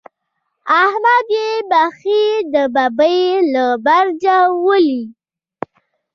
احمد يې بېخي د ببۍ له برجه ولي.